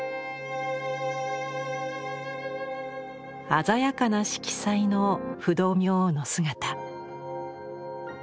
鮮やかな色彩の不動明王の姿。